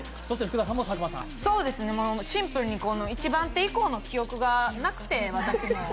シンプルに一番手以降の記憶がなくて。